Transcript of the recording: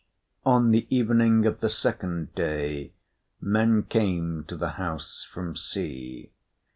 On the evening of the second day men came to the house from sea.